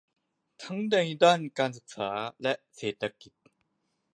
ทั้งในด้านการศึกษา เศรษฐกิจ